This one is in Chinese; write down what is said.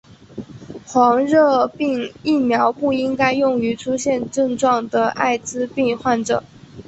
黄热病疫苗不应该用于出现症状的爱滋病患者。